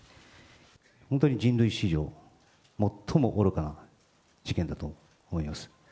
本当に人類史上、最も愚かな事件だと思います。